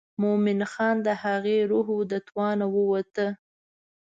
مومن خان د هغې روح و د توانه ووته.